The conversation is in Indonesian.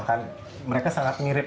dan mereka sangat mirip